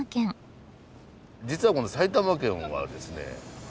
実はこの埼玉県はですね